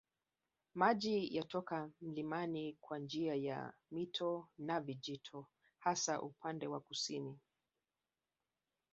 Maji yatoka mlimani kwa njia ya mito na vijito hasa upande wa kusini